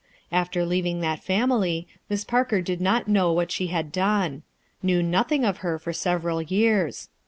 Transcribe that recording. After leaving that family, Miss Parker did not know what she had done; knew nothing of Iter for several years.